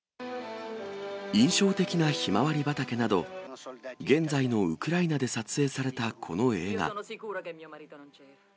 印象的なひまわり畑など、現在のウクライナで撮影されたこの映画。